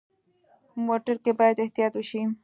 موټر کې باید احتیاط وشي.